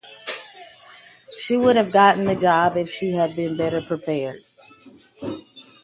She would have gotten the job if she had been better prepared.